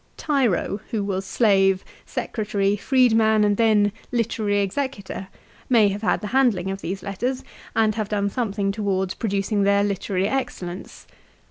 Tiro, who was slave, secretary, freed man, and then literary executor, may have had the handling of these letters, and have done something towards producing their literary excellence.